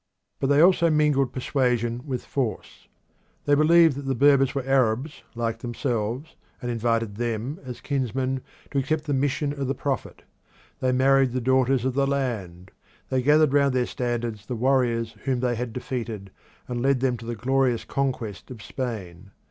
But they also mingled persuasion with force. They believed that the Berbers were Arabs like themselves, and invited them as kinsmen to accept the mission of the prophet. They married the daughters of the land; they gathered round their standards the warriors whom they had defeated, and led them to the glorious conquest of Spain.